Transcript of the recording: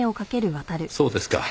そうですか。